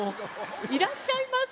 いらっしゃいませ。